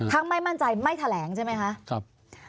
ทั้งไม่มั่นใจไม่แถลงใช่ไหมคะครับ